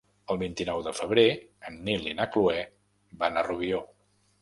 El vint-i-nou de febrer en Nil i na Cloè van a Rubió.